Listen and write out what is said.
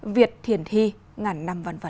việt thiền thi ngàn năm văn vật